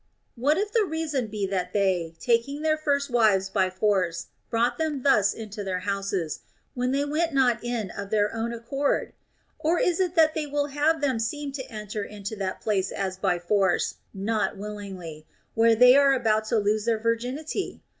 What if the reason be that they, taking their first wives by force, brought them thus into their houses, when they went not in of their own accord I Or is it that they will have them seem to enter into that place as by force, not willingly, where they are about to lose their virginity